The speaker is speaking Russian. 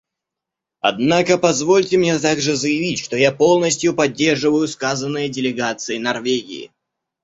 Однако позвольте мне также заявить, что я полностью поддерживаю сказанное делегацией Норвегии.